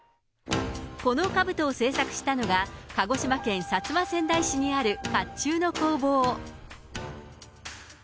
このかぶとを製作したのが、鹿児島県薩摩川内市にある甲冑の工房。